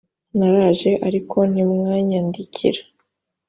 naraje ariko ntimwanyakira